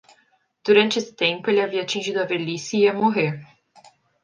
Durante esse tempo, ele havia atingido a velhice e ia morrer.